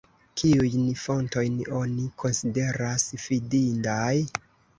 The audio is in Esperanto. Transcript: Kiujn fontojn oni konsideras fidindaj?